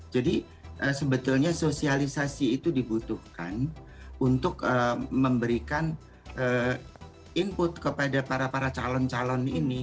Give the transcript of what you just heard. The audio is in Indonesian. jadi sebetulnya sosialisasi itu dibutuhkan untuk memberikan input kepada para para calon calon ini